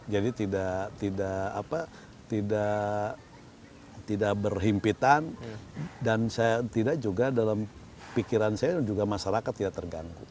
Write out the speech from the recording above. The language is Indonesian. jadi tidak berhimpitan dan tidak juga dalam pikiran saya juga masyarakat tidak terganggu